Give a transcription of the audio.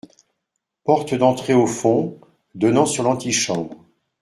Porte d’entrée au fond, donnant sur l’antichambre.